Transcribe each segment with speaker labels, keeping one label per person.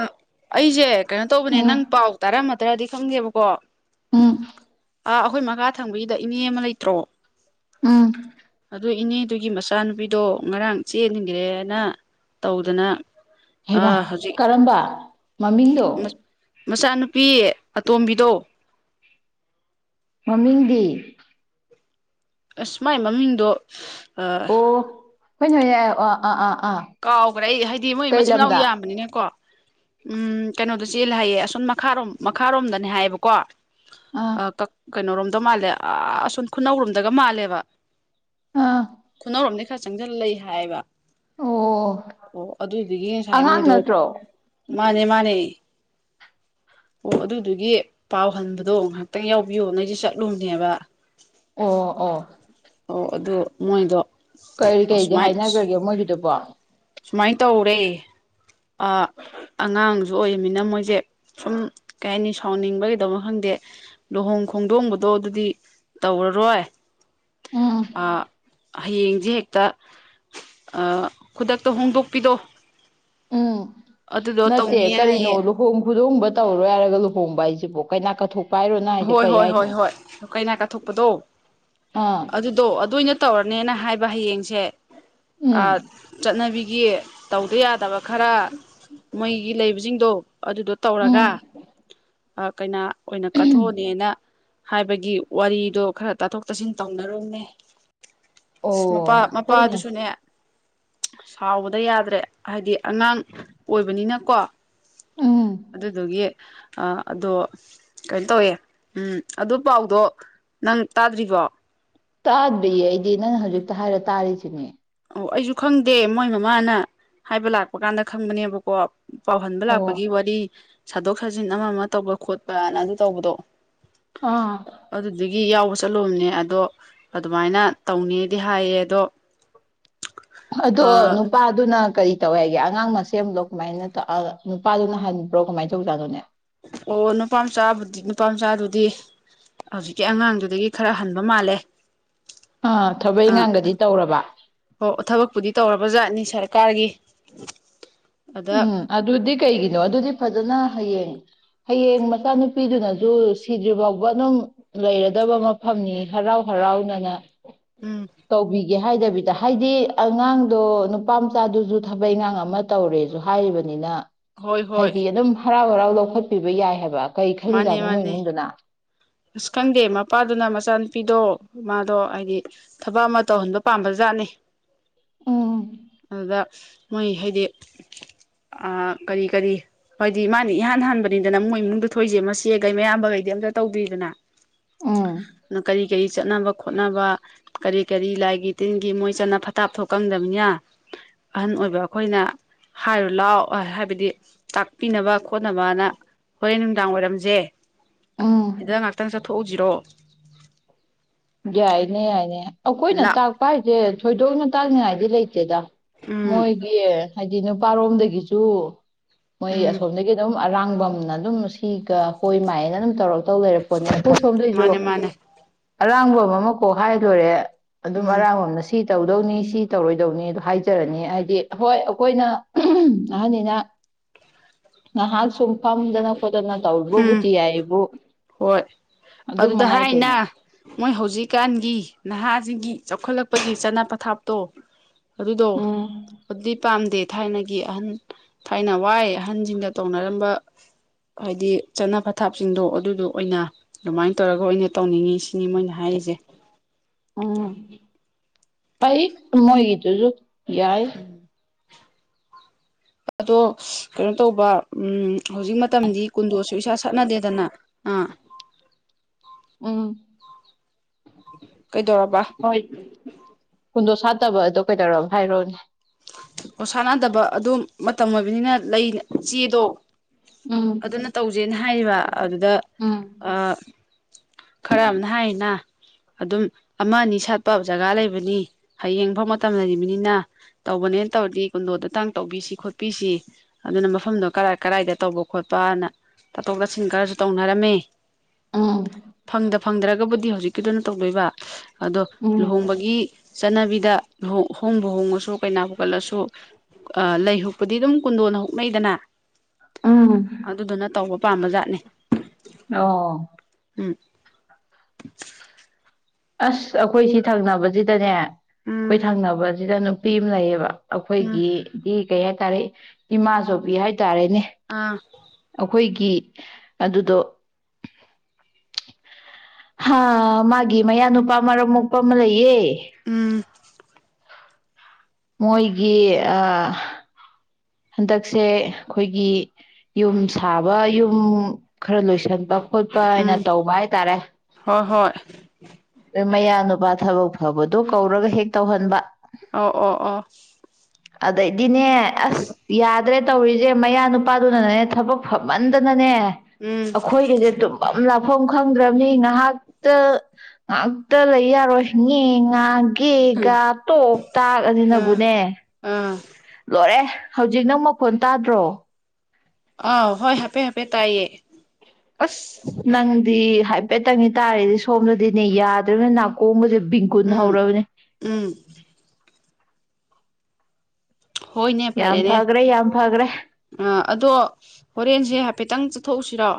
Speaker 1: ꯑ ꯑꯩꯁꯦ ꯀꯩꯅꯣ ꯇꯧꯕꯅꯦ ꯅꯪ
Speaker 2: ꯎꯝ
Speaker 1: ꯄꯥꯎ ꯇꯥꯔꯝ ꯇ꯭ꯔꯗꯤ ꯈꯪꯗꯦꯕꯀꯣ
Speaker 2: ꯎꯝ
Speaker 1: ꯑꯥ ꯑꯩꯈꯣꯏ ꯃꯈꯥ ꯊꯪꯕꯒꯤꯗ ꯏꯅꯦ ꯑꯃ ꯂꯩꯇ꯭ꯔꯣ
Speaker 2: ꯎꯝ
Speaker 1: ꯑꯗꯨ ꯏꯅꯦꯗꯨꯒꯤ ꯃꯆꯥꯅꯨꯄꯤꯗꯣ ꯉꯔꯥꯡ ꯆꯦꯟꯒ꯭ꯔꯦꯅ ꯇꯧꯗꯅ
Speaker 2: ꯍꯩꯃ
Speaker 1: ꯑꯥ ꯍꯧꯖꯤꯡ
Speaker 2: ꯀꯔꯝꯕ ꯃꯃꯤꯡꯗꯣ
Speaker 1: ꯇꯣꯝꯕꯤꯗꯣ
Speaker 2: ꯃꯃꯤꯡꯗꯤ
Speaker 1: ꯑꯁ ꯃꯥꯏ ꯃꯃꯤꯡꯗꯣ ꯑꯥ
Speaker 2: ꯍꯣꯏ ꯅꯣꯏ ꯑꯣ ꯑꯥ ꯑꯥ ꯑꯥ ꯑꯥ
Speaker 1: ꯀꯥꯎꯒ꯭ꯔꯦ ꯑꯩ ꯍꯥꯏꯗꯤ ꯃꯣꯏ
Speaker 2: ꯀꯩ
Speaker 1: ꯃꯆꯤꯟ ꯃꯅꯥꯎ
Speaker 2: ꯂꯝꯗ
Speaker 1: ꯌꯥꯝꯕꯅꯤꯅ ꯀꯣ ꯎꯝ ꯀꯩꯅꯣꯗ ꯆꯦꯜꯂꯦ ꯍꯥꯏꯌꯦ ꯑꯁꯨꯝ ꯃꯈꯥꯔꯣꯝ ꯃꯈꯥꯔꯣꯝꯗꯅꯦ ꯍꯥꯏꯌꯦꯕꯀꯣ ꯑ
Speaker 2: ꯑꯥ
Speaker 1: ꯀꯛ ꯀꯩꯅꯣꯔꯣꯝꯗ ꯃꯥꯜꯂꯦ ꯑꯥ ꯑꯁꯨꯝ ꯈꯨꯅꯧꯔꯣꯝꯗꯒ ꯃꯥꯜꯂꯦꯕ
Speaker 2: ꯑꯥ
Speaker 1: ꯈꯨꯅꯧꯑꯝꯅꯤ ꯈꯔ ꯆꯪꯖꯤꯜꯂ ꯂꯩ ꯍꯥꯏꯌꯦꯕ
Speaker 2: ꯑꯣ
Speaker 1: ꯑꯣ ꯑꯗꯨꯒꯤ ꯉꯁꯥꯏ
Speaker 2: ꯑꯉꯥꯡ
Speaker 1: ꯃꯣꯏꯗꯣ
Speaker 2: ꯅꯠꯇ꯭ꯔꯣ
Speaker 1: ꯃꯥꯅꯦ ꯃꯥꯅꯦ ꯑꯣ ꯑꯗꯨꯗꯨꯒꯤ ꯄꯥꯎ ꯍꯟꯕꯗꯣ ꯉꯥꯛꯍꯥꯇꯪ ꯌꯥꯎꯕꯤꯌꯣꯅ ꯑꯩꯁꯦ ꯆꯠꯂꯨꯕꯅꯦꯕ
Speaker 2: ꯑꯣ ꯑꯣ
Speaker 1: ꯑꯣ ꯑꯗꯨ ꯃꯣꯏꯗꯣ
Speaker 2: ꯀꯔꯤ ꯀꯔꯤꯗꯤ
Speaker 1: ꯁꯨꯃꯥꯏ
Speaker 2: ꯍꯥꯏꯅꯒ꯭ꯔꯒꯦ ꯃꯣꯏꯒꯤꯗꯨꯕꯣ
Speaker 1: ꯁꯨꯃꯥꯏꯅ ꯇꯧꯔꯦ ꯑꯉꯥꯡꯁꯨ ꯑꯣꯏꯃꯤꯅ ꯃꯣꯏꯁꯦ ꯁꯨꯝ ꯀꯩ ꯍꯥꯏꯅꯤ ꯁꯥꯎꯅꯤꯡꯕ ꯀꯩꯗꯧꯕ ꯈꯪꯗꯦ ꯂꯨꯍꯣꯡ ꯈꯣꯡꯗꯣꯡꯕꯗꯣ ꯑꯗꯨꯗꯤ ꯇꯧꯔꯔꯣꯏ
Speaker 2: ꯎꯝ
Speaker 1: ꯑꯥ ꯍꯌꯦꯡꯁꯦ ꯍꯦꯛꯇ ꯑꯥ ꯈꯨꯗꯛꯇ ꯍꯣꯡꯗꯣꯛꯄꯤꯗꯣ
Speaker 2: ꯎꯝ
Speaker 1: ꯑꯗꯨꯗꯣ
Speaker 2: ꯅꯠꯇꯦ
Speaker 1: ꯇꯧꯅꯤ
Speaker 2: ꯀꯔꯤꯅꯣ
Speaker 1: ꯍꯥꯏꯌꯦ
Speaker 2: ꯂꯨꯍꯣꯡ ꯈꯨꯨꯗꯣꯡꯕ ꯇꯧꯔꯔꯣꯏ ꯍꯥꯏꯔꯒ ꯂꯨꯍꯣꯡꯕ ꯍꯥꯏꯁꯤꯕꯨ ꯀꯩꯅ ꯀꯠꯊꯣꯛ
Speaker 1: ꯍꯣꯏ ꯍꯣꯏ ꯍꯣꯏ ꯍꯣꯏ ꯀꯥꯏꯅꯥ ꯀꯥꯊꯣꯛꯄꯗꯣ
Speaker 2: ꯑꯥ
Speaker 1: ꯑꯗꯨꯗꯣ ꯑꯗꯨ ꯑꯣꯢꯅ ꯇꯧꯔꯅꯦꯅ ꯍꯥꯏꯕ ꯍꯌꯦꯡꯁꯦ
Speaker 2: ꯎꯝ
Speaker 1: ꯑꯥ ꯆꯠꯅꯕꯤꯒꯤ ꯇꯧꯗ ꯌꯥꯗꯕ ꯈꯔ ꯃꯣꯏꯒꯤ ꯂꯩꯕ ꯖꯤꯡꯗꯣ ꯑꯗꯨꯗꯣ ꯇꯧꯔꯒ
Speaker 2: ꯎꯝ
Speaker 1: ꯀꯩꯅꯥ ꯑꯣꯏꯅ ꯀꯠ ꯊꯣꯛꯑꯅꯦꯅ ꯍꯥꯏꯕꯒꯤ ꯋꯥꯔꯤꯗꯣ ꯈꯔ ꯇꯥꯊꯣꯛ ꯇꯥꯁꯤꯟ ꯇꯧꯅꯔꯨꯅꯦ
Speaker 2: ꯑꯣ
Speaker 1: ꯑꯁ ꯃꯄꯥ
Speaker 2: ꯍꯣꯏꯅꯦ
Speaker 1: ꯃꯄꯥꯗꯨꯁꯨꯅꯦ ꯁꯥꯎꯕꯗ ꯌꯥꯗ꯭ꯔꯦ ꯍꯥꯏꯗꯤ ꯑꯉꯥꯡ ꯑꯣꯏꯕꯅꯤꯅꯀꯣ
Speaker 2: ꯎꯝ
Speaker 1: ꯑꯗꯨꯗꯨꯒꯤ ꯑ ꯑꯗꯣ ꯀꯩꯅꯣ ꯇꯧꯋꯦ ꯎꯝ ꯑꯗꯨ ꯄꯥꯎꯗꯣ ꯅꯪ ꯇꯥꯗ꯭ꯔꯤꯕꯣ
Speaker 2: ꯇꯥꯗ꯭ꯔꯤꯌꯦ ꯑꯩꯗꯤ ꯅꯪꯅ ꯍꯧꯖꯤꯛꯇ ꯍꯥꯏꯔ ꯇꯥꯔꯤꯁꯤꯅꯦ
Speaker 1: ꯑꯣ ꯑꯩꯁꯨ ꯈꯪꯗꯦ ꯃꯣꯏ ꯃꯃꯥꯅ ꯍꯥꯏꯕ ꯂꯥꯛꯄ ꯀꯥꯟꯗ ꯈꯪꯕꯅꯦꯕꯀꯣ ꯄꯥꯎꯍꯟꯕ
Speaker 2: ꯑꯣ
Speaker 1: ꯂꯥꯛꯄꯒꯤ ꯋꯥꯔꯤ ꯁꯥꯗꯣꯛ ꯁꯥꯖꯤꯟ ꯑꯃ ꯑꯃ ꯇꯧꯕ ꯈꯣꯠꯄꯅ ꯑꯗꯨ ꯇꯧꯕꯗꯣ
Speaker 2: ꯑꯥ
Speaker 1: ꯒꯤ ꯌꯥꯎꯕ ꯆꯠꯂꯨꯕꯅꯦ ꯑꯗꯣ ꯑꯗꯨꯃꯥꯏꯅ ꯇꯧꯅꯦꯗꯤ ꯍꯥꯏꯌꯦ ꯑꯗꯣ
Speaker 2: ꯑꯗꯣ
Speaker 1: ꯑꯣ
Speaker 2: ꯅꯨꯄꯥꯗꯨꯅ ꯀꯔꯤ ꯇꯧꯋ ꯍꯥꯏꯒꯦ ꯑꯉꯥꯡ ꯃꯁꯦꯝꯂꯣ ꯀꯃꯥꯏꯅ ꯇꯧ ꯅꯨꯄꯥꯗꯨꯅ ꯍꯟꯕ꯭ꯔꯣ ꯀꯃꯥꯏꯅ ꯇꯧꯖꯥꯅꯣꯅꯦ
Speaker 1: ꯍꯧꯖꯤꯛ ꯅꯨꯄꯥ ꯃꯆꯥꯗꯨꯗꯤ ꯍꯧꯖꯤꯛꯀꯤ ꯑꯉꯥꯡꯗꯨꯗꯒꯤ ꯈꯔ ꯍꯟꯕ ꯃꯥꯜꯂꯦ
Speaker 2: ꯑꯥ ꯊꯕꯛ
Speaker 1: ꯑ
Speaker 2: ꯏꯈꯥꯡꯒꯗꯤ ꯇꯧꯔꯕ
Speaker 1: ꯍꯣ ꯊꯕꯛꯄꯨꯗꯤ ꯇꯧꯔꯕ ꯖꯥꯠꯅꯤ ꯁꯔꯀꯥꯔꯒꯤ ꯑꯗ
Speaker 2: ꯎꯝ ꯑꯗꯨꯗꯤ ꯀꯩꯒꯤꯅꯣ ꯑꯗꯨꯗꯤ ꯐꯖꯅ ꯍꯌꯦꯡ ꯍꯌꯦꯡ ꯃꯆꯥꯅꯨꯄꯤꯗꯨꯅꯁꯨ ꯁꯤꯗ꯭ꯔꯤ ꯐꯥꯎꯕ ꯑꯗꯨꯝ ꯂꯩꯔꯗꯕ ꯃꯐꯝꯅꯤ ꯍꯔꯥꯎ ꯍꯔꯥꯎꯅꯅ
Speaker 1: ꯎꯝ
Speaker 2: ꯇꯧꯕꯤꯒꯦ ꯍꯥꯏꯗꯕꯤ ꯍꯥꯏꯗꯤ ꯑꯉꯥꯡꯗꯣ ꯅꯨꯄꯥ ꯃꯆꯥꯗꯨꯁꯨ ꯊꯕꯛ ꯏꯤꯟꯈꯥꯡ ꯑꯃ ꯇꯧꯔꯦ ꯁꯨ ꯍꯥꯏꯔꯤꯕꯅꯤꯅ
Speaker 1: ꯍꯣꯏ ꯍꯣꯏ
Speaker 2: ꯍꯥꯏꯗꯤ ꯑꯗꯨꯝ ꯍꯔꯥꯎ ꯍꯔꯥꯎ ꯂꯧꯈꯠꯄꯤꯕ ꯌꯥꯏ ꯍꯥꯏꯕ ꯀꯩ
Speaker 1: ꯃꯥꯅꯦ
Speaker 2: ꯈꯂꯤꯖꯥꯠꯅꯣ ꯃꯣꯏ
Speaker 1: ꯃꯥꯅꯦ
Speaker 2: ꯏꯃꯨꯡꯗꯨꯅ
Speaker 1: ꯑꯁ ꯈꯪꯗꯦ ꯃꯄꯥꯗꯨꯅ ꯃꯆꯥꯅꯨꯄꯤꯗꯣ ꯃꯥꯗꯣ ꯍꯥꯏꯗꯤ ꯊꯕꯛ ꯑꯃ ꯇꯧꯍꯟꯕ ꯄꯥꯝꯕ ꯖꯥꯠꯅꯤ
Speaker 2: ꯎꯝ
Speaker 1: ꯑꯗꯨꯗ ꯃꯣꯏ ꯍꯥꯏꯗꯤ ꯑꯥ ꯀꯔꯤ ꯀꯔꯤ ꯍꯥꯏꯗꯤ ꯃꯥꯅꯥ ꯏꯍꯥꯟ ꯍꯥꯟꯕꯅꯤꯗꯅ ꯃꯣꯏ ꯏꯃꯨꯡꯗ ꯊꯣꯛꯏꯁꯦ ꯃꯆꯦꯈꯩ ꯃꯌꯥꯝꯕꯈꯩꯗꯤ ꯑꯝꯇ ꯇꯩꯗ꯭ꯔꯤ ꯑꯗꯨꯅ
Speaker 2: ꯎꯝ
Speaker 1: ꯅ ꯀꯔꯤ ꯀꯔꯤ ꯀꯔꯤ ꯆꯠꯅꯕ ꯈꯣꯠꯅꯕ ꯀꯔꯤ ꯀꯔꯤ ꯂꯥꯏꯒꯤ ꯇꯤꯟꯒꯤ ꯃꯣꯏ ꯆꯠꯅ ꯇꯊꯥꯞꯇꯣ ꯈꯪꯗꯕꯅꯤꯅ ꯑꯍꯟ ꯑꯣꯏꯕ ꯑꯩꯈꯣꯏꯅ ꯍꯥꯏꯔꯣ ꯂꯥꯛꯑꯣ ꯍꯥꯏꯕꯗꯤ ꯇꯥꯛꯄꯤꯅꯕ ꯈꯣꯠꯅꯕꯅ ꯍꯣꯔꯦꯟ ꯅꯨꯡꯗꯥꯡ ꯋꯥꯏꯔꯝꯁꯦ
Speaker 2: ꯎꯝ
Speaker 1: ꯁꯤꯗ ꯉꯍꯥꯛꯇꯪ ꯆꯠꯊꯣꯛꯎꯁꯤꯔꯣ
Speaker 2: ꯌꯥꯏꯅꯦ ꯌꯥꯏꯅꯦ ꯑꯩꯈꯣꯏꯅ
Speaker 1: ꯂꯥꯛ
Speaker 2: ꯇꯥꯛꯄ ꯍꯥꯏꯁꯦ ꯊꯣꯏꯗꯣꯛꯅ ꯇꯥꯅꯤꯡꯉꯥꯏꯗꯤ ꯂꯩꯇꯦꯗ
Speaker 1: ꯎꯝ
Speaker 2: ꯃꯣꯏꯒꯤ ꯍꯥꯏꯗꯤ ꯅꯨꯄꯥꯔꯣꯝꯗꯒꯤꯁꯨ ꯃꯣꯏ
Speaker 1: ꯎꯝ
Speaker 2: ꯑꯁꯣꯝꯗꯒꯤ ꯑꯗꯨꯝ ꯑꯔꯥꯡꯕꯝꯅ ꯑꯗꯨꯝ ꯁꯤꯒ ꯍꯣꯏ ꯃꯥꯏꯑꯅ ꯑꯗꯨꯝ ꯇꯧꯔꯛ ꯇꯧ ꯂꯩꯔꯄꯣꯠꯅꯦ ꯑꯩꯈꯣꯏ ꯁꯣꯝꯗꯩꯁꯨ
Speaker 1: ꯃꯥꯅꯦ ꯃꯥꯅꯦ
Speaker 2: ꯑꯔꯥꯡꯕꯝ ꯑꯃ ꯀꯣꯛ ꯍꯥꯏꯔꯂꯣꯢꯔꯦ ꯑꯗꯨꯝ
Speaker 1: ꯎꯝ
Speaker 2: ꯑꯔꯥꯡꯕꯝꯅ ꯁꯤ ꯁꯤ ꯇꯧꯗꯧꯅꯤ ꯁꯤ ꯇꯧꯔꯣꯏꯗꯧꯅꯤ ꯑꯗꯨ ꯍꯥꯏꯖꯔꯅꯤ ꯍꯥꯏꯗꯤ ꯍꯣꯏ ꯑꯩꯈꯣꯏꯅ ꯑꯍꯟꯅꯤꯅ ꯉꯍꯥꯛ ꯁꯨꯝ ꯐꯝꯗꯅ ꯈꯣꯠꯇꯅ
Speaker 1: ꯎꯝ
Speaker 2: ꯇꯧꯕꯕꯨꯗꯤ ꯌꯥꯢ ꯍꯥꯏꯕꯨ
Speaker 1: ꯍꯣꯏ ꯑꯗꯨꯗ ꯍꯥꯏꯅ ꯃꯣꯏ ꯍꯧꯖꯤꯛꯀꯥꯟꯒꯤ ꯅꯍꯥꯁꯤꯒꯤ ꯆꯥꯎꯈꯠꯂꯛꯄꯒꯤ ꯆꯠꯅ ꯄꯊꯥꯞꯇꯣ ꯑꯗꯨꯗꯣ
Speaker 2: ꯎꯝ
Speaker 1: ꯑꯗꯨꯗꯤ ꯄꯥꯝꯗꯦ ꯊꯥꯏꯅꯒꯤ ꯑꯍꯟ ꯊꯥꯏꯅ ꯋꯥꯏ ꯑꯍꯟꯁꯤꯡꯗ ꯇꯧꯅꯔꯝꯕ ꯍꯥꯏꯗꯤ ꯆꯠꯅ ꯄꯊꯥꯞꯁꯤꯡꯗꯣ ꯑꯗꯨ ꯑꯗꯨ ꯑꯣꯏꯅ ꯑꯗꯨꯃꯥꯏꯅ ꯇꯧꯔꯒ ꯑꯣꯏꯅ ꯇꯧꯅꯤꯡꯉꯤꯁꯤꯅꯤ ꯁꯤꯅꯤ ꯃꯣꯏꯅ ꯍꯥꯏꯔꯤꯁꯦ
Speaker 2: ꯎꯝ ꯐꯩ ꯃꯣꯏ ꯒꯤꯗꯨꯁꯨ ꯌꯥꯏ
Speaker 1: ꯑꯗꯣ ꯀꯩꯅꯣ ꯇꯧꯕ ꯎꯝ ꯍꯧꯖꯤꯛ ꯃꯇꯝꯗꯤ ꯀꯨꯟꯗꯣꯁꯨ ꯏꯁꯥꯠ ꯁꯠꯅꯗꯦꯗꯅ ꯑꯥ
Speaker 2: ꯎꯝ
Speaker 1: ꯀꯩꯗꯧꯔꯕ
Speaker 2: ꯍꯣꯏ ꯀꯨꯟꯗꯣ ꯁꯥꯠ ꯐꯠꯇꯕ ꯑꯗꯣ ꯀꯩꯗꯧꯔꯕ ꯍꯥꯏꯔꯣꯅꯦ
Speaker 1: ꯑꯣ ꯁꯥꯟꯅꯗꯕ ꯑꯗꯨꯝ ꯃꯇꯝ ꯑꯣꯏꯕꯅꯤꯅ ꯂꯩ ꯆꯦꯗꯣ
Speaker 2: ꯎꯝ
Speaker 1: ꯑꯗꯨꯅ ꯇꯧꯁꯦꯅ ꯍꯥꯏꯔꯤꯕ ꯑꯗꯨꯗ
Speaker 2: ꯎꯝ
Speaker 1: ꯑ ꯈꯔ ꯑꯃꯅ ꯍꯥꯏꯌꯦꯅ ꯑꯗꯨꯝ ꯑꯃ ꯑꯅꯤ ꯁꯛ ꯄ ꯖꯒꯥ ꯂꯩꯕꯅꯤ ꯍꯌꯦꯡ ꯃꯐꯐꯝ ꯃꯇꯝ ꯂꯩꯔꯤꯕꯅꯤꯅ ꯇꯧꯕꯅꯦꯅ ꯇꯧꯔꯗꯤ ꯀꯨꯟꯗꯣꯗꯨꯇꯡ ꯇꯧ ꯇꯕꯤꯁꯤ ꯈꯣꯠꯄꯤꯁꯤ ꯑꯗꯨꯅ ꯃꯐꯝꯗꯣ ꯀꯔꯥꯏ ꯀꯔꯥꯏꯗ ꯇꯧꯕ ꯈꯣꯠꯄꯅ ꯇꯥꯊꯣꯛ ꯇꯥꯁꯤꯟ ꯈꯔꯁꯨ ꯇꯧꯅꯔꯝꯃꯦ
Speaker 2: ꯑ
Speaker 1: ꯐꯪꯗ ꯐꯪꯗ꯭ꯔꯒꯕꯨꯗꯤ ꯍꯧꯖꯤꯛꯀꯤꯗꯨꯅ ꯇꯧꯗꯣꯏꯕ ꯑꯗꯣ
Speaker 2: ꯎꯝ
Speaker 1: ꯂꯨꯍꯣꯡꯕꯒꯤ ꯆꯠꯅꯕꯤꯗ ꯂꯨꯍꯣꯡ ꯍꯣꯡꯕ ꯍꯣꯡꯉꯁꯨ ꯀꯩꯅꯕꯨ ꯀꯠꯂꯁꯨ ꯂꯩꯪ ꯍꯨꯛꯄꯗꯤ ꯑꯗꯨꯝ ꯀꯨꯟꯗꯣꯟꯅ ꯍꯨ ꯃꯩꯗꯅ
Speaker 2: ꯎꯝ
Speaker 1: ꯑꯗꯨꯗꯨꯅ ꯇꯧꯕ ꯄꯥꯝꯕ ꯖꯥꯠꯅꯤ
Speaker 2: ꯑꯣ
Speaker 1: ꯎꯝ [inaudible]
Speaker 2: ꯑꯁ ꯑꯩꯈꯣꯏ ꯁꯤ ꯊꯪꯅꯕꯁꯤꯗꯅꯦ ꯑꯩꯈꯣꯏ
Speaker 1: ꯎꯝ
Speaker 2: ꯊꯪꯅꯕ ꯁꯤꯗ ꯅꯨ ꯄꯤ ꯑꯃ ꯂꯩꯏꯌꯦꯕ
Speaker 1: ꯎꯝ
Speaker 2: ꯑꯩꯈꯣꯏꯒꯤꯗꯤ ꯀꯩ ꯍꯥꯏ ꯇꯔꯦ ꯏꯃꯥꯆꯧꯕꯤ ꯍꯥꯏꯇꯥꯔꯦꯅꯦ
Speaker 1: ꯑꯥ
Speaker 2: ꯑꯩꯈꯣꯏꯒꯤ ꯒꯤ ꯑꯗꯨꯗꯣ ꯍꯥ ꯃꯥꯒꯤ ꯃꯌꯥꯅꯨꯄꯥ ꯃꯔꯝ ꯃꯣꯛꯄ ꯑꯃ ꯂꯩꯌꯦ
Speaker 1: ꯎꯝ
Speaker 2: ꯃꯣꯏꯒꯤ ꯑ ꯍꯟꯗꯛꯁꯦ ꯑꯩꯈꯣꯏꯒꯤ ꯌꯨꯝ ꯁꯥꯕ ꯌꯨꯝ ꯈꯔ ꯂꯣꯏꯁꯟ ꯕ ꯈꯣꯠꯄ ꯍꯥꯏꯅ
Speaker 1: ꯎꯝ
Speaker 2: ꯇꯧꯕ ꯍꯥꯏꯇꯥꯔꯦ
Speaker 1: ꯍꯣꯏ ꯍꯣꯏ
Speaker 2: ꯃꯌꯥ ꯅꯨꯄꯥ ꯊꯕꯛ ꯐꯕꯗꯣ ꯀꯧꯔꯒ ꯍꯦꯛ ꯇꯧꯍꯟꯕ
Speaker 1: ꯑ ꯑꯣ ꯑꯣ
Speaker 2: ꯑꯗꯗꯤꯅꯦ ꯑꯁ ꯌꯥꯗ꯭ꯔꯦ ꯇꯧꯔꯤꯁꯦ ꯃꯌꯥ ꯅꯨꯄꯥꯗꯨꯅꯅꯦ ꯊꯕꯛ ꯐꯝꯃꯟꯗꯅꯅꯦ
Speaker 1: ꯎꯝ
Speaker 2: ꯑꯩꯈꯣꯏꯒꯁꯦ ꯇꯨꯝꯕꯝ ꯂꯥꯛꯐꯝ ꯃꯐꯝ ꯈꯪꯗ꯭ꯔꯕꯅꯤ ꯉꯥꯏꯍꯥꯛꯇ ꯉꯥꯛꯇ ꯂꯩ ꯌꯥꯔꯣꯏ ꯉꯦꯉꯥ ꯒꯦꯒꯥ ꯇꯣꯛ ꯇꯥꯛ
Speaker 1: ꯑꯥ
Speaker 2: ꯑꯁꯤꯅꯕꯨꯅꯦ
Speaker 1: ꯑꯥ
Speaker 2: ꯂꯣꯏꯔꯦ ꯍꯧꯖꯤꯛ ꯅꯪ ꯃꯈꯣꯟ ꯇꯥꯗ꯭ꯔꯣ
Speaker 1: ꯑ ꯍꯣꯏ ꯍꯥꯥꯏꯄꯦ ꯍꯥꯄꯦ ꯇꯥꯏꯌꯦ
Speaker 2: ꯑꯁ ꯅꯪꯗꯤ ꯍꯥꯏꯕꯦꯠ ꯇꯪꯅꯤꯗ ꯇꯥꯔꯤꯁꯤ ꯁꯣꯝꯗꯗꯤꯅꯦ ꯌꯥꯗ ꯅꯥ ꯀꯣꯡꯒꯁꯤ ꯕꯤꯡꯀꯨꯟ
Speaker 1: ꯎꯝ
Speaker 2: ꯍꯧꯔꯕꯅꯦ
Speaker 1: ꯎꯝ ꯍꯣꯏꯅꯦ
Speaker 2: ꯌꯥꯝ
Speaker 1: ꯐꯔꯦꯅꯦ
Speaker 2: ꯐꯈ꯭ꯔꯦ ꯌꯥꯝ ꯐꯈ꯭ꯔꯦ
Speaker 1: ꯑ ꯑꯗꯣ ꯍꯣꯔꯦꯟꯁꯦ ꯍꯥꯏꯐꯦꯠꯇꯪ ꯆꯠꯊꯣꯛꯎꯁꯤꯔꯣ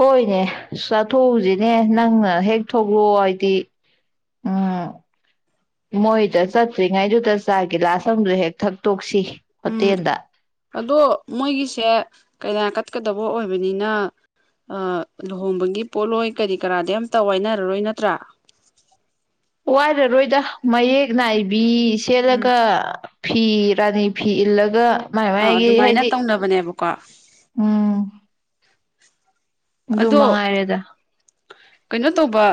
Speaker 2: ꯍꯣꯏꯅꯦ ꯆꯥꯊꯣꯛꯎꯁꯤꯅꯦ ꯅꯪꯅ ꯍꯦꯛ ꯊꯣꯛꯂꯛꯑꯣ ꯍꯥꯏꯗꯤ ꯎꯝ ꯃꯣꯏꯗ ꯆꯠꯇ꯭ꯔꯤꯉꯩꯗꯨꯗ ꯆꯥ ꯒꯤꯂꯥꯁ ꯑꯃꯗꯨ ꯍꯦꯛ ꯊꯛꯇꯣꯛꯁꯤ
Speaker 1: ꯎꯝ
Speaker 2: ꯍꯣꯇꯦꯜꯗ
Speaker 1: ꯑꯗꯣ ꯃꯣꯏꯒꯤꯁꯦ ꯀꯩꯅ ꯀꯠꯀꯗꯕ ꯑꯣꯏꯕꯅꯤꯅ ꯂꯨꯍꯣꯡꯕꯒꯤ ꯄꯣꯠꯂꯣꯏ ꯀꯔꯤ ꯀꯔꯥꯗꯤ ꯑꯝꯇ ꯋꯤꯏꯅꯔꯔꯣꯏ ꯅꯠꯇ꯭ꯔꯥ
Speaker 2: ꯋꯥꯏꯔꯔꯣꯏꯗ ꯃꯌꯦꯛ ꯅꯥꯏꯕꯤ
Speaker 1: ꯎꯝ
Speaker 2: ꯁꯦꯠꯂꯒ ꯐꯤ ꯔꯥꯅꯤ ꯐꯤ ꯏꯜꯂꯒ ꯃꯥꯏ
Speaker 1: ꯑꯥ
Speaker 2: ꯃꯥꯏꯒꯤ
Speaker 1: ꯑꯗꯨꯃꯥꯏꯅ
Speaker 2: ꯍꯥꯏꯗꯤ
Speaker 1: ꯇꯧꯅꯕꯅꯦꯕ ꯀꯣ
Speaker 2: ꯎꯝ ꯑꯗꯨ
Speaker 1: ꯑꯗꯣ
Speaker 2: ꯃꯉꯥꯏꯔꯦꯗ
Speaker 1: ꯀꯩꯅꯣ ꯇꯧꯕ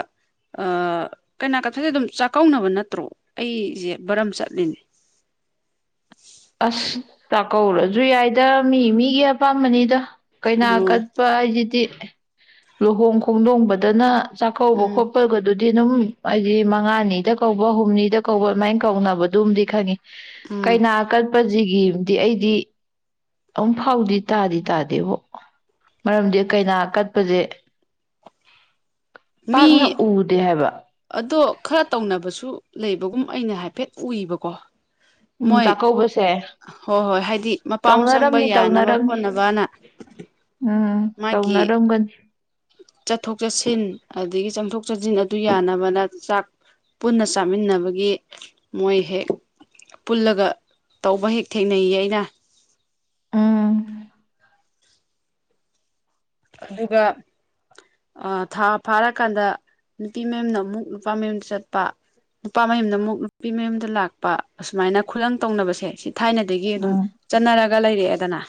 Speaker 1: ꯑꯥ ꯀꯩꯅ ꯀꯠꯄꯁꯦ ꯑꯗꯨꯝ ꯆꯥꯛꯀꯧꯅꯕ ꯅꯠꯇ꯭ꯔꯣ ꯑꯩꯁꯦ ꯕꯔꯝ ꯆꯠꯂꯤꯅꯦ
Speaker 2: ꯑꯁ ꯆꯥꯛꯀꯧꯔꯁꯨ ꯌꯥꯏꯗ ꯃꯤ ꯃꯤꯒꯤ ꯑꯄꯥꯝꯕꯅꯤꯗ ꯀꯩꯅꯥ
Speaker 1: ꯎꯝ
Speaker 2: ꯀꯠꯄ ꯍꯥꯏꯁꯤꯗꯤ ꯂꯨꯍꯣꯡ ꯈꯣꯡꯗꯣꯡꯕꯗꯅ ꯆꯥꯛꯀꯧꯕ
Speaker 1: ꯎꯝ
Speaker 2: ꯈꯣꯠꯄꯒꯗꯨꯗꯤ ꯑꯗꯨꯝ ꯑꯩꯗꯤ ꯃꯉꯥꯅꯤꯗ ꯀꯧꯕ ꯍꯨꯝꯅꯤꯗ ꯀꯧꯕ ꯑꯗꯨꯃꯥꯏꯅ ꯀꯧꯅꯕꯗꯨꯝꯗꯤ ꯈꯪꯉꯤ
Speaker 1: ꯎꯝ
Speaker 2: ꯀꯩꯅꯥ ꯀꯠꯄꯁꯤꯒꯤꯗꯤ ꯑꯩꯗꯤ ꯑꯃꯨꯛ ꯐꯥꯎꯗꯤ ꯇꯥꯗꯤ ꯇꯥꯗꯦꯕꯣ ꯃꯔꯝꯗꯤ ꯀꯩꯅꯥ ꯀꯠꯄꯁꯦ ꯄꯥꯛꯅ
Speaker 1: ꯃꯤ
Speaker 2: ꯎꯗꯦ ꯍꯥꯏꯕ
Speaker 1: ꯑꯗꯣ ꯈꯔ ꯇꯧꯅꯕꯁꯨ ꯂꯩꯕꯒꯨꯝ ꯑꯩꯅ ꯍꯥꯏꯐꯦꯠ ꯎꯏꯕꯀꯣ
Speaker 2: ꯎꯝ
Speaker 1: ꯃꯣꯏ
Speaker 2: ꯆꯥꯛꯀꯧꯕꯁꯦ
Speaker 1: ꯍꯣꯏ ꯍꯣꯏ ꯍꯥꯏꯗꯤ ꯃꯄꯥꯝ ꯆꯪꯕ
Speaker 2: ꯇꯧꯅꯔꯝꯅꯤ
Speaker 1: ꯌꯥꯅꯕ
Speaker 2: ꯇꯧꯅꯔꯝꯅꯤ
Speaker 1: ꯈꯣꯠꯅꯕꯅ
Speaker 2: ꯎꯝ
Speaker 1: ꯃꯥꯒꯤ
Speaker 2: ꯇꯧꯅꯔꯝꯒꯅꯤ
Speaker 1: ꯆꯠꯊꯣꯛ ꯆꯠꯁꯤꯟ ꯑꯗꯒꯤ ꯆꯪꯊꯣꯛ ꯆꯪꯁꯤꯟ ꯑꯗꯨ ꯌꯥꯅꯕꯅ ꯆꯥꯛ ꯄꯨꯟꯅ ꯆꯥꯃꯤꯟꯅꯕꯒꯤ ꯃꯣꯏ ꯍꯦꯛ ꯄꯨꯜꯂꯒ ꯇꯧꯕ ꯍꯦꯛ ꯊꯦꯡꯅꯩꯌꯦ ꯑꯩꯅ
Speaker 2: ꯎꯝ
Speaker 1: ꯑꯗꯨꯒ ꯊꯥ ꯐꯥꯔꯀꯥꯟꯗ ꯅꯨꯄꯤ ꯃꯌꯨꯝꯅ ꯑꯃꯨꯛ ꯅꯨꯄꯥ ꯃꯌꯨꯝ ꯆꯠꯄ ꯅꯨꯄꯥ ꯃꯌꯨꯝꯅ ꯑꯃꯨꯛ ꯅꯨꯄꯤ ꯃꯌꯨꯝꯗ ꯂꯥꯛ ꯄ ꯑꯁꯨꯃꯥꯏꯅ ꯈꯨꯂꯪ ꯇꯧꯅꯕꯁꯦ ꯁꯤ ꯊꯥꯏꯅꯗꯒꯤ ꯑꯗꯨꯝ
Speaker 2: ꯎꯝ
Speaker 1: ꯆꯠꯅꯔꯛ ꯂꯩꯔꯛꯑꯦꯗꯅ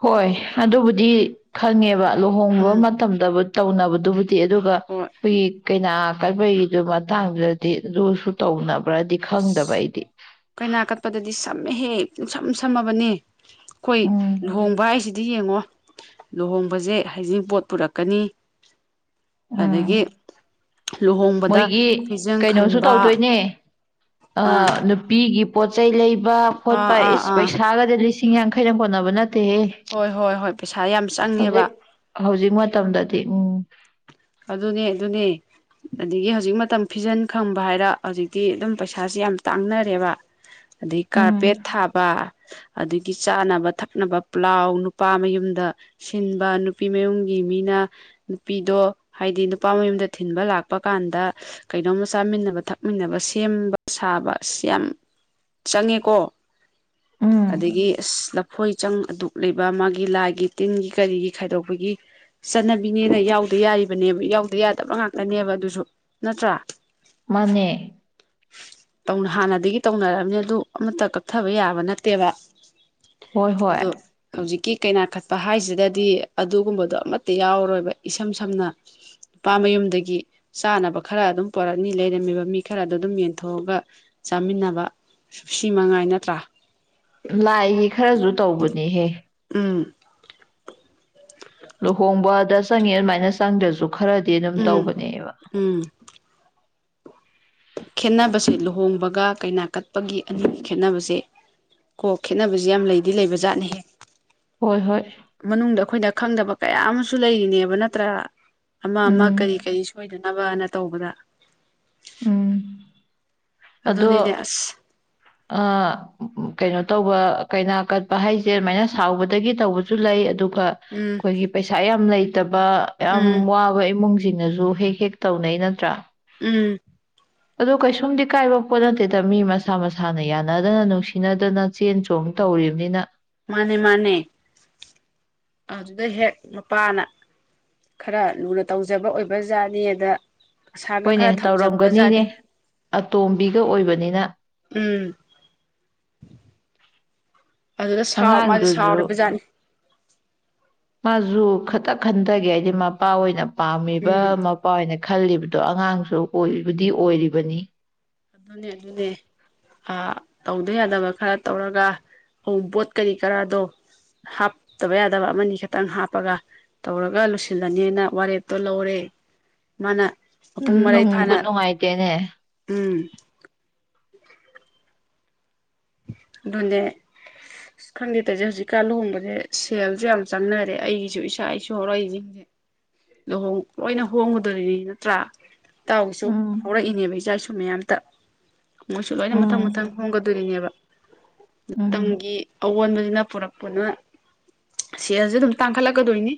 Speaker 2: ꯍꯣꯏ ꯑꯗꯨꯕꯨ ꯗꯤ ꯈꯪꯉꯦꯕ ꯂꯨꯍꯣꯡꯕ
Speaker 1: ꯎꯝ
Speaker 2: ꯃꯇꯝꯗ ꯇꯧꯅꯕꯗꯨꯕꯨ ꯗꯤ ꯑꯗꯨꯒ
Speaker 1: ꯍꯣꯏ
Speaker 2: ꯑꯩꯈꯣꯏꯒꯤ ꯀꯩꯅꯥ ꯀꯠꯄꯒꯤꯗꯨ ꯃꯇꯥꯡꯗꯨꯗꯗꯤ ꯑꯗꯨꯨꯁꯨ ꯇꯧꯅꯕ꯭ꯔꯗꯤ ꯈꯪꯗꯕ ꯑꯩꯗꯤ
Speaker 1: ꯀꯩꯅꯥ ꯀꯠꯄꯗꯗꯤ ꯁꯝꯃꯦꯍꯦ ꯄꯨꯡꯁꯝ ꯁꯝꯃꯕꯅꯦ ꯑꯩꯈꯣꯏ
Speaker 2: ꯎꯝ
Speaker 1: ꯂꯨꯍꯣꯡꯕ ꯍꯥꯏꯁꯤꯗꯤ ꯑꯗꯨꯗꯤ ꯌꯦꯡꯉꯣ ꯂꯨꯍꯣꯡꯕꯖꯦ ꯍꯩꯖꯤꯡ ꯄꯣꯠ ꯄꯨꯔꯛꯀꯅꯤ
Speaker 2: ꯎꯝ
Speaker 1: ꯑꯗꯒꯤ ꯂꯨꯍꯣꯡꯕꯗ
Speaker 2: ꯃꯣꯏꯒꯤ
Speaker 1: ꯐꯤꯖꯪ
Speaker 2: ꯀꯩꯅꯣꯁꯨ
Speaker 1: ꯈꯟꯕ
Speaker 2: ꯇꯧꯗꯣꯏꯅꯦ ꯑꯥ ꯅꯨꯄꯤꯒꯤ ꯄꯣꯠꯆꯩ ꯂꯩꯕ
Speaker 1: ꯑꯥ
Speaker 2: ꯈꯣꯠꯄ
Speaker 1: ꯑꯥ
Speaker 2: ꯏꯁ
Speaker 1: ꯑꯥ
Speaker 2: ꯄꯩꯁꯥꯒꯁꯦ ꯂꯤꯁꯤꯡ ꯂꯤꯁꯤꯡ ꯌꯥꯡꯈꯩꯅ ꯀꯣꯟꯅꯕ ꯅꯠ ꯇꯍꯦ
Speaker 1: ꯍꯣꯏ ꯍꯣꯏ ꯍꯣꯏ ꯄꯩꯁꯥ ꯌꯥꯝ ꯆꯪꯉꯦꯕ
Speaker 2: ꯍꯧꯖꯤꯛ ꯍꯧꯖꯤꯛ ꯃꯇꯝꯗꯗꯤ ꯎꯝ
Speaker 1: ꯑꯗꯨꯅꯦ ꯑꯗꯨꯅꯦ ꯑꯗꯒꯤ ꯍꯧꯖꯤꯛ ꯃꯇꯝ ꯐꯤꯖꯟ ꯈꯪꯕ ꯍꯥꯏꯔ ꯍꯧꯖꯤꯛꯇꯤ ꯑꯗꯨꯝ ꯄꯩꯁꯥꯁꯤ ꯌꯥꯝ ꯇꯥꯡꯅꯔꯦꯕ ꯑꯗꯩ
Speaker 2: ꯎꯝ
Speaker 1: ꯀꯥꯔꯄꯦꯠ ꯊꯥꯕ ꯑꯗꯒꯤ ꯆꯥꯅꯕ ꯊꯛꯅꯕ ꯄ꯭ꯂꯥꯎ ꯅꯨꯄꯥ ꯃꯌꯨꯝꯗ ꯁꯤꯟꯕ ꯅꯨꯄꯤ ꯃꯌꯨꯝꯒꯤ ꯃꯤꯅ ꯅꯨꯄꯤꯗꯣ ꯍꯥꯏꯗꯤ ꯅꯨꯄꯥ ꯃꯌꯨꯝꯗ ꯊꯤꯟꯕ ꯂꯥꯛꯄ ꯀꯥꯟꯗ ꯀꯩꯅꯣꯝꯃ ꯆꯥꯃꯤꯟꯅꯕ ꯊꯛꯃꯤꯟꯅꯕ ꯁꯦꯝꯕ ꯁꯥꯕ ꯑꯁ ꯌꯥꯝ ꯆꯪꯉꯦꯀꯣ
Speaker 2: ꯎꯝ
Speaker 1: ꯑꯗꯒꯤ ꯑꯁ ꯂꯐꯣꯏ ꯆꯪ ꯑꯗꯨꯛ ꯂꯩꯕ ꯃꯥꯒꯤ ꯂꯥꯏꯒꯤ ꯇꯤꯟꯒꯤ ꯀꯔꯤꯒꯤ ꯈꯥꯏꯗꯣꯛꯄꯒꯤ ꯆꯠꯅꯕꯤꯅꯦꯅ ꯌꯥꯎꯗ ꯌꯥꯔꯤ ꯅꯦ ꯌꯥꯎꯗ ꯌꯥꯗꯕ꯭ꯔ ꯉꯥꯛꯇꯅꯦꯕ ꯑꯗꯨꯁꯨ ꯅꯠꯇ꯭ꯔꯥ
Speaker 2: ꯃꯅꯦ
Speaker 1: ꯍꯥꯟꯅꯗꯒꯤ ꯇꯧꯅꯔꯕꯅꯤ ꯑꯗꯨ ꯑꯃꯠꯇ ꯀꯛꯊꯕ ꯌꯥꯕ ꯅꯠꯇꯦꯕ
Speaker 2: ꯍꯣꯏ ꯍꯣꯏ
Speaker 1: ꯑꯗꯣ ꯍꯧꯖꯤꯛꯀꯤ ꯀꯩꯅꯥꯀꯠꯄ ꯍꯥꯏꯁꯤꯗꯗꯤ ꯑꯗꯨꯒꯨꯝꯕꯗꯣ ꯑꯃꯠꯇ ꯌꯥꯎꯔꯣꯏꯕ ꯏꯁꯝ ꯁꯝꯅ ꯅꯨꯄꯥ ꯃꯌꯨꯝꯗꯒꯤ ꯆꯥꯅꯕ ꯈꯔ ꯑꯗꯨꯝ ꯄꯣꯔꯛꯅꯤ ꯂꯩꯔꯝꯃꯤꯕ ꯃꯤ ꯈꯔꯗ ꯑꯗꯨꯝ ꯌꯦꯟꯊꯣꯛꯑꯒ ꯆꯥꯃꯤꯟꯅꯕ ꯁꯤ ꯃꯉꯥꯏ ꯅꯠꯇ꯭ꯔ
Speaker 2: ꯂꯥꯏꯒꯤ ꯈꯔꯁꯨ ꯇꯧꯕꯅꯦꯍꯦ
Speaker 1: ꯎꯝ
Speaker 2: ꯂꯨꯍꯣꯡꯕꯗ ꯆꯪꯉꯤ ꯑꯗꯨꯃꯥꯏꯅ ꯆꯪꯗ꯭ꯔꯁꯨ ꯈꯔꯗꯤ ꯑꯗꯨꯝ
Speaker 1: ꯎꯝ
Speaker 2: ꯇꯧꯕꯅꯦꯕ
Speaker 1: ꯎꯝ ꯈꯦꯠꯅꯕꯁꯦ ꯂꯨꯍꯣꯡꯕꯒ ꯀꯩꯅꯥ ꯀꯠꯄꯒꯤ ꯑꯅꯤꯒꯤ ꯈꯦꯠꯅꯕꯁꯦ ꯀꯣ ꯈꯦꯠꯅꯕꯁꯦ ꯌꯥꯝ ꯂꯩꯗꯤ ꯂꯩꯕ ꯖꯥꯠꯅꯤꯍꯦ
Speaker 2: ꯍꯣꯏ ꯍꯣꯏ
Speaker 1: ꯃꯅꯨꯡꯗ ꯑꯩꯈꯣꯏꯅ ꯈꯪꯗꯕ ꯀꯌꯥ ꯑꯃꯁꯨ ꯂꯩꯔꯤꯅꯦꯕ ꯅꯠꯇ꯭ꯔꯥ ꯑꯃ ꯑꯃ
Speaker 2: ꯎꯝ
Speaker 1: ꯀꯔꯤ ꯀꯔꯤ ꯁꯣꯏꯗ ꯅꯕꯅ ꯇꯧꯕꯗ
Speaker 2: ꯎꯝ ꯑꯗꯣ
Speaker 1: ꯑꯗꯨꯅꯤꯅꯦ ꯑꯁ
Speaker 2: ꯑ ꯀꯩꯅꯣ ꯇꯧꯕ ꯀꯩꯅꯥ ꯀꯠꯄ ꯍꯥꯏꯁꯦ ꯑꯗꯨꯃꯥꯏꯅ ꯁꯥꯎꯕꯗꯒꯤ ꯇꯧꯕꯁꯨ ꯂꯩ ꯑꯗꯨ
Speaker 1: ꯎꯝ
Speaker 2: ꯑꯩꯈꯣꯏꯒꯤ ꯄꯩꯁꯥ ꯌꯥꯝ ꯂꯩ ꯌꯥꯝ
Speaker 1: ꯎꯝ
Speaker 2: ꯋꯥꯕ ꯏꯃꯨꯡ ꯁꯤꯡꯅꯁꯨ ꯍꯦꯛ ꯍꯦꯛ ꯇꯧꯅꯩ ꯅꯠꯇ꯭ꯔꯥ
Speaker 1: ꯎꯝ
Speaker 2: ꯑꯗꯨ ꯀꯩꯁꯨꯝꯗꯤ ꯀꯥꯏꯕ ꯄꯣꯠ ꯅꯠꯇꯦꯗ ꯃꯤ ꯃꯁꯥ ꯃꯁꯥꯅ ꯌꯥꯅꯗꯅ ꯅꯨꯡꯁꯤꯅꯗꯅ ꯆꯦꯟ ꯆꯣꯡ ꯇꯧꯔꯤꯕꯅꯤꯅ
Speaker 1: ꯃꯥꯅꯦ ꯃꯥꯅꯦ ꯑꯗꯨꯗ ꯍꯦꯛ ꯃꯄꯥꯅ ꯈꯔ ꯂꯨꯅ ꯇꯧꯖꯕ ꯑꯣꯏꯕꯖꯥꯠꯅꯤ ꯑꯗ
Speaker 2: ꯍꯣꯏꯅꯦ ꯇꯧꯔꯝꯒꯅꯤꯅꯦ ꯑꯇꯣꯝꯕꯤꯒ ꯑꯣꯏꯕꯅꯤꯅ
Speaker 1: ꯎꯝ ꯑꯗꯨꯗ ꯁꯥꯎ ꯃꯥꯁꯤ
Speaker 2: ꯑꯉꯥꯡꯗꯨꯁꯨ
Speaker 1: ꯁꯥꯎꯔꯤꯕꯖꯥꯠꯅꯤ
Speaker 2: ꯃꯥꯁꯨ ꯈꯇ ꯈꯟꯗꯒꯦ ꯍꯥꯏꯗꯦ ꯃꯄꯥ ꯑꯣꯏꯅ ꯄꯥꯝꯃꯤꯕ
Speaker 1: ꯎꯝ
Speaker 2: ꯃꯄꯥ ꯑꯣꯏꯅ ꯈꯜꯂꯤꯕꯗꯣ ꯑꯉꯥꯡꯁꯨ ꯑꯣꯏꯕꯨꯗꯤ ꯑꯣꯏꯔꯤꯕꯅꯤ
Speaker 1: ꯑꯗꯨꯅꯦ ꯑꯗꯨꯅꯦ ꯑꯥ ꯇꯧꯗ ꯌꯥꯗꯕ ꯈꯔ ꯇꯧꯔꯒ ꯑꯎꯟꯄꯣꯠ ꯀꯔꯤ ꯀꯔꯥꯗꯣ ꯍꯥꯞꯇꯕ ꯌꯥꯗꯕ ꯑꯃꯅꯤ ꯈꯛꯇꯪ ꯍꯥꯞꯄꯒ ꯇꯧꯔꯒ ꯂꯣꯢꯁꯤꯜꯂꯅꯤꯅ ꯋꯥꯔꯦꯞꯇꯣ ꯂꯧꯔꯦ ꯃꯥꯅ
Speaker 2: ꯎꯝ
Speaker 1: ꯃꯄꯨꯡ ꯃꯔꯩ
Speaker 2: ꯅꯨꯡ
Speaker 1: ꯐꯥꯅ
Speaker 2: ꯅꯨꯡꯉꯥꯏꯇꯦꯅꯦ
Speaker 1: ꯎꯝ ꯑꯗꯨꯅꯦ ꯈꯪꯗꯦ ꯇꯁꯦ ꯍꯧꯖꯤꯛꯀꯥꯟ ꯂꯨꯍꯣꯡꯕꯁꯦ ꯁꯦꯜꯁꯨ ꯌꯥꯝ ꯆꯪꯅꯔꯦ ꯑꯩꯒꯤꯁꯨ ꯏꯁꯥ ꯏꯁꯨ ꯍꯧꯔꯛ ꯑꯩꯁꯤꯡꯁꯦ ꯂꯨꯍꯣꯡ ꯂꯣꯏꯅ ꯍꯣꯡꯒꯗꯣꯔꯤꯅꯤ ꯅꯠꯇ꯭ꯔꯥ ꯇꯥꯎꯁꯨ
Speaker 2: ꯎꯝ
Speaker 1: ꯍꯧꯔꯛꯏꯅꯦꯕ ꯏꯆꯥ ꯏꯁꯨ ꯑ ꯃꯌꯥꯝꯇ ꯃꯣꯏꯁꯨ ꯂꯣꯏꯅ ꯃꯊꯪ
Speaker 2: ꯎꯝ
Speaker 1: ꯃꯊꯪ ꯍꯣꯡꯒꯗꯣꯏꯔꯤꯅꯦꯕ
Speaker 2: ꯎꯝ
Speaker 1: ꯃꯇꯝꯒꯤ ꯑꯑꯣꯟꯕꯁꯤꯅ ꯄꯨꯔꯛꯄꯅ ꯁꯦꯜꯁꯨ ꯑꯗꯨꯝ ꯇꯥꯡꯈꯠꯂꯛꯀꯗꯣꯏꯅꯤ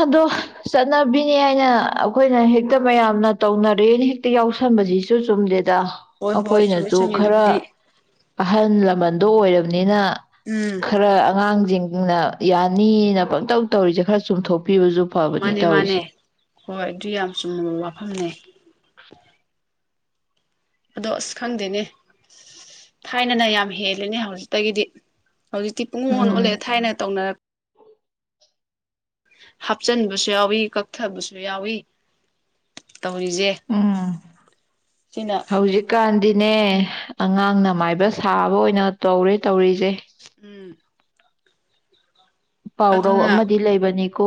Speaker 2: ꯑꯗꯣ ꯆꯅꯕꯤ ꯅꯦ ꯍꯥꯏꯅ ꯑꯩꯈꯣꯏꯅ ꯍꯦꯛꯇ ꯃꯌꯥꯝꯅ ꯇꯧꯅꯔꯦꯅ ꯍꯦꯛ ꯍꯦꯛꯇ
Speaker 1: ꯎꯝ
Speaker 2: ꯌꯥꯎꯁꯟꯕꯁꯤꯁꯨ ꯆꯨꯝꯗꯦꯗ
Speaker 1: ꯍꯣꯏ ꯍꯣꯏ ꯆꯨꯝꯃꯤ
Speaker 2: ꯑꯩꯈꯣꯏꯅꯁꯨ
Speaker 1: ꯆꯨꯝꯃꯤ
Speaker 2: ꯈꯔ
Speaker 1: ꯑꯗꯨꯕꯨꯗꯤ
Speaker 2: ꯑꯍꯜ ꯂꯃꯟꯗꯣ ꯑꯣꯏꯔꯒ ꯅꯤꯅ
Speaker 1: ꯎꯝ
Speaker 2: ꯈꯔ ꯑꯉꯥꯡꯁꯤꯡ ꯅ ꯌꯥꯅꯤꯅ ꯄꯪꯇꯧ ꯇꯧꯔꯤꯁꯦ ꯈꯔ ꯆꯨꯝꯊꯣꯛ
Speaker 1: ꯃꯥꯅꯦ ꯃꯥꯅꯦ ꯍꯣꯏ ꯑꯗꯨ ꯌꯥꯝ ꯆꯨꯝꯃꯕ ꯋꯥꯐꯝꯅꯦ ꯑꯗꯣ ꯑꯁ ꯈꯪꯗꯦꯅꯦ ꯊꯥꯏꯅꯅ ꯌꯥꯝ ꯍꯦꯜꯂꯦꯅꯦ ꯍꯧꯖꯤꯛꯇꯒꯤꯗꯤ ꯍꯧꯖꯤꯛꯇꯤ ꯄꯨꯡ ꯑꯣꯜ
Speaker 2: ꯎꯝ
Speaker 1: ꯑꯣꯂꯛꯑꯦ ꯊꯥꯏꯅ ꯇꯧꯅꯔꯛ ꯍꯥꯞꯆꯤꯟꯕꯁꯨ ꯌꯥꯎꯏ ꯀꯛꯊꯕꯁꯨ ꯌꯥꯎꯏ ꯇꯧꯔꯤꯁꯦ
Speaker 2: ꯎꯝ
Speaker 1: ꯁꯤꯅ
Speaker 2: ꯅꯦ ꯑꯉꯥꯡꯅ ꯃꯥꯏꯕ ꯁꯥꯕ ꯑꯣꯏꯅ ꯇꯧꯔꯦ ꯇꯧꯔꯤꯁꯦ
Speaker 1: ꯎꯝ
Speaker 2: ꯄꯥꯎꯔꯧ
Speaker 1: ꯑꯗꯨꯅ
Speaker 2: ꯑꯃꯗꯤ ꯂꯩꯕꯅꯤ ꯀꯣ